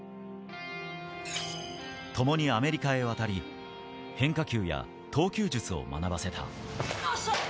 ともにアメリカへ渡り、変化球や投球術を学ばせた。